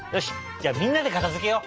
じゃあみんなでかたづけよう！